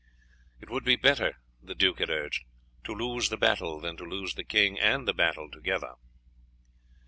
"It would be better," the duke had urged, "to lose the battle than to lose the king and the battle together."